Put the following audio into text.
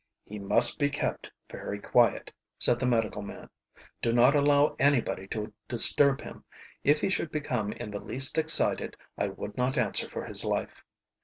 "He must be kept very quiet," said the medical man. "Do not allow anybody to disturb him. If he should become in the least excited I would not answer for his life."